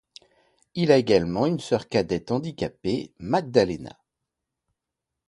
Il a également une sœur cadette handicapée, Magdalena.